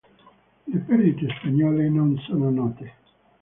Le perdite spagnole non sono note.